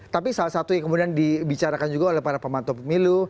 tapi salah satu yang kemudian dibicarakan juga oleh para pemantau pemilu